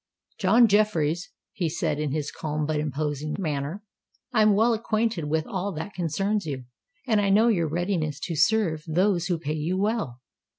"John Jeffreys," he said, in his calm but imposing manner, "I am well acquainted with all that concerns you; and I know your readiness to serve those who pay you well.